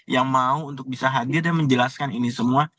yang mau untuk bisa hadir dan menjelaskan ini semua